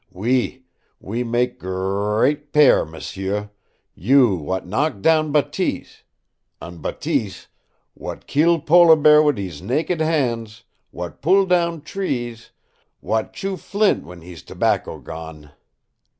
OUI, we mak' gr r r eat pair, m'sieu you, w'at knock down Bateese an' Bateese, w'at keel polar bear wit hees naked hands, w'at pull down trees, w'at chew flint w'en hees tobacco gone."